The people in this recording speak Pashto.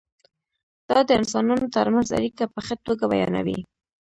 دا د انسانانو ترمنځ اړیکه په ښه توګه بیانوي.